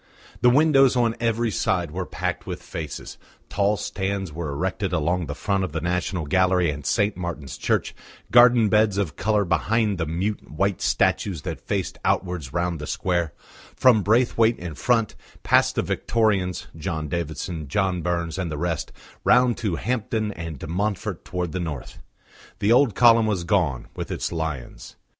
The windows on every side were packed with faces; tall stands were erected along the front of the National Gallery and St. Martin's Church, garden beds of colour behind the mute, white statues that faced outwards round the square; from Braithwaite in front, past the Victorians John Davidson, John Burns, and the rest round to Hampden and de Montfort towards the north. The old column was gone, with its lions.